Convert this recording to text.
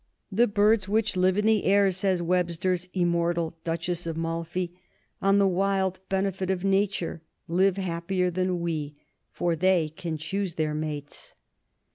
"The birds which live in the air," says Webster's immortal "Duchess of Malfi," On the wild benefit of nature, live Happier than we, for they can choose their mates.